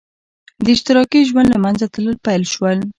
د اشتراکي ژوند له منځه تلل پیل شول.